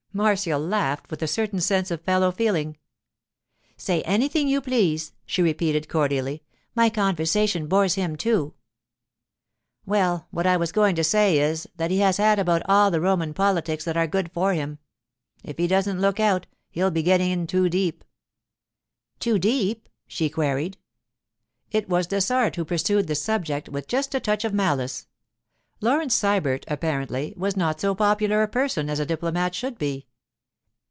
Marcia laughed with a certain sense of fellow feeling. 'Say anything you please,' she repeated cordially. 'My conversation bores him too.' 'Well, what I was going to say is that he has had about all the Roman politics that are good for him. If he doesn't look out, he'll be getting in too deep.' 'Too deep?' she queried. It was Dessart who pursued the subject with just a touch of malice. Laurence Sybert, apparently, was not so popular a person as a diplomat should be.